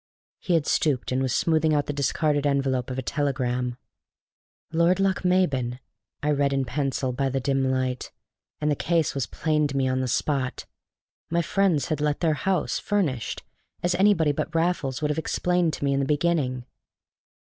He had stooped, and was smoothing out the discarded envelope of a telegram. "Lord Lochmaben," I read in pencil by the dim light; and the case was plain to me on the spot. My friends had let their house, furnished, as anybody but Raffles would have explained to me in the beginning.